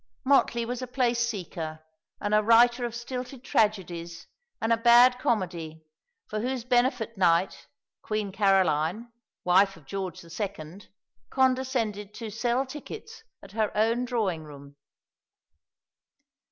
Mottley was a place seeker and a writer of stilted tragedies and a bad comedy, for whose benefit night Queen Caroline, wife of George II., condescended to sell tickets at her own drawing room.